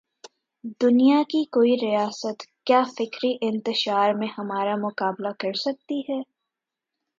دنیا کی کوئی ریاست کیا فکری انتشار میں ہمارا مقابلہ کر سکتی ہے؟